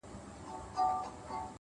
او په سترگو کې بلا اوښکي را ډنډ سوې!